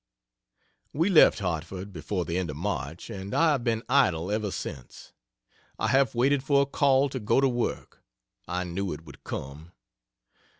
] We left Hartford before the end of March, and I have been idle ever since. I have waited for a call to go to work I knew it would come.